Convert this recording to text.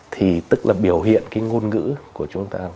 thì tức là biểu hiện cái ngôn ngữ của chúng ta